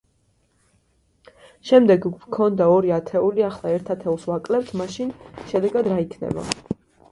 შემდეგ, გვქონდა ორი ათეული, ახლა ერთ ათეულს ვაკლებთ, მაშინ შედეგად რა იქნება?